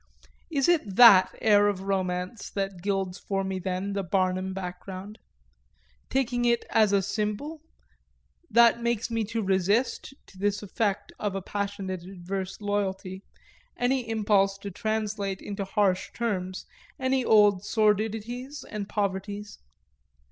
Is it that air of romance that gilds for me then the Barnum background taking it as a symbol; that makes me resist, to this effect of a passionate adverse loyalty, any impulse to translate into harsh terms any old sordidities and poverties?